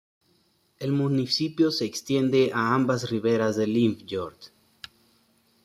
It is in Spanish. El municipio se extiende a ambas riberas del Limfjord.